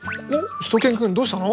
しゅと犬くんどうしたの？